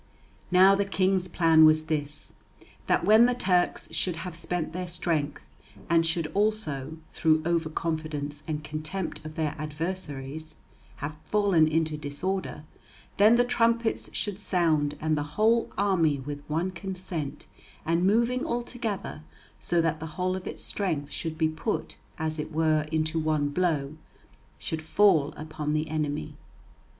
Now the King's plan was this, that when the Turks should have spent their strength, and should also, through over confidence and contempt of their adversaries, have fallen into disorder, then the trumpets should sound, and the whole army with one consent and moving all together, so that the whole of its strength should be put, as it were, into one blow, should fall upon the enemy.